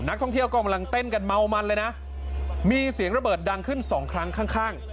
นักท่องเที่ยวก็กำลังเต้นกันเมามันเลยนะมีเสียงระเบิดดังขึ้นสองครั้งข้างข้าง